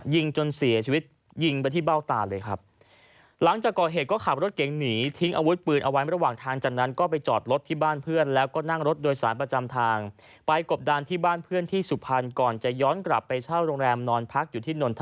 ยิงจนเสียชีวิตยิงไปที่เบ้าตาเลยครับ